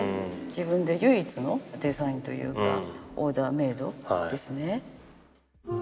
自分で唯一のデザインというかオーダーメードですね。